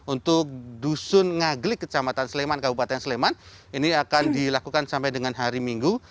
untuk dusun ngaglik kecamatan sleman kabupaten sleman ini akan dilakukan sampai dengan hari minggu